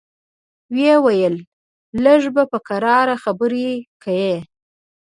ويې ويل لږ به په کراره خبرې کيې.